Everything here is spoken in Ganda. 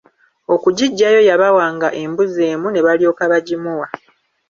Okugiggyayo yabawanga embuzi emu ne balyoka bagimuwa.